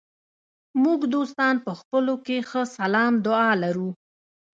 موږ دوستان په خپلو کې ښه سلام دعا لرو.